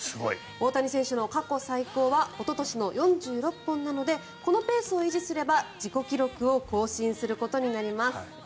大谷選手の過去最高はおととしの４６本なのでこのペースを維持すれば自己記録を更新することになります。